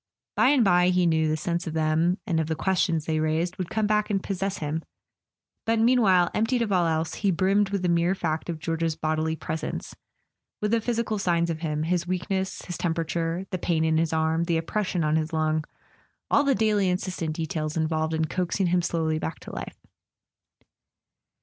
By and bye, he knew, the sense of them, and of the questions they raised, would come back and possess him; but meanwhile, emptied of all else, he brimmed with the mere fact of George's bodily presence, with the physical signs of him, his weakness, his temperature, the pain in his arm, the oppression on his lung, all the daily insistent details involved in coaxing him slowly back to life.